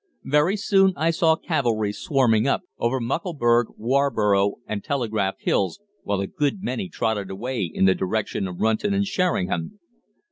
"Very soon I saw cavalry swarming up over Muckleburgh, Warborough, and Telegraph Hills, while a good many trotted away in the direction of Runton and Sheringham.